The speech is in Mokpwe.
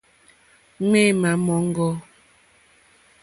Ŋměmà móŋɡô.